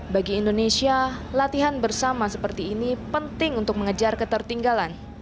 bagi indonesia latihan bersama seperti ini penting untuk mengejar ketertinggalan